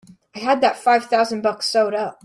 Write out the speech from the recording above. I had that five thousand bucks sewed up!